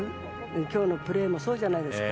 今日のプレーもそうじゃないですか。